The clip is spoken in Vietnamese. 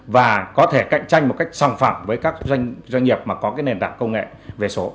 và có thể cạnh tranh một cách sòng phẳng với các doanh nghiệp mà có cái nền tảng công nghệ về số